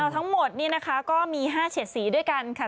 ทั้งหมดมี๕เฉียดสีด้วยกันค่ะ